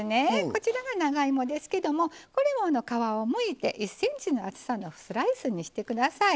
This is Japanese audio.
こちらが長芋ですけどもこれも皮をむいて１ｃｍの厚さのスライスにしてください。